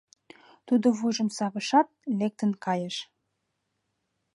Тудо вуйжым савышат, лектын кайыш.